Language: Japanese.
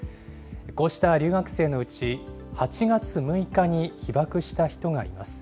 こうした留学生のうち、８月６日に被爆した人がいます。